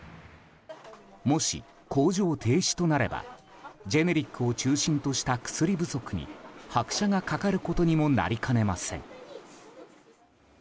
もし工場停止となればジェネリックを中心とした薬不足に拍車がかかることにもなりかねません。